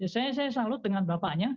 saya salut dengan bapaknya